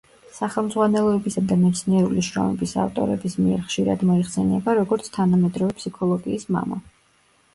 სახელმძღვანელოებისა და მეცნიერული შრომების ავტორების მიერ ხშირად მოიხსენება როგორც თანამედროვე ფსიქოლოგიის მამა.